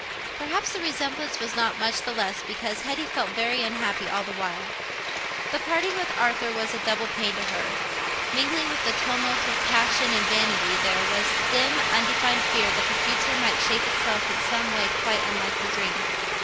Perhaps the resemblance was not much the less because Hetty felt very unhappy all the while. The parting with Arthur was a double pain to her—mingling with the tumult of passion and vanity there was a dim undefined fear that the future might shape itself in some way quite unlike her dream.